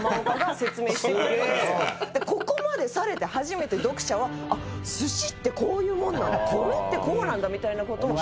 ここまでされて初めて読者は寿司ってこういうもんなんだ米ってこうなんだみたいな事を本当に山岡が。